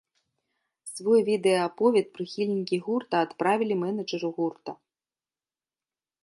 Свой відэааповед прыхільнікі гурта адправілі мэнэджару гурта.